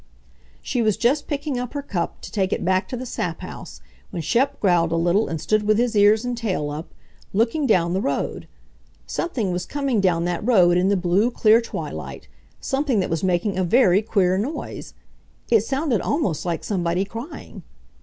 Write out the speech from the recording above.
She was just picking up her cup to take it back to the sap house when Shep growled a little and stood with his ears and tail up, looking down the road. Something was coming down that road in the blue, clear twilight, something that was making a very queer noise. It sounded almost like somebody crying.